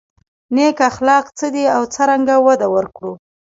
نېک اخلاق څه دي او څرنګه وده ورکړو.